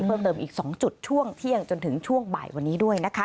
เพิ่มเติมอีก๒จุดช่วงเที่ยงจนถึงช่วงบ่ายวันนี้ด้วยนะคะ